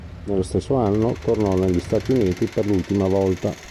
Nello stesso anno, tornò negli Stati Uniti per l'ultima volta.